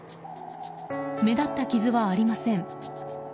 目立った傷はありません。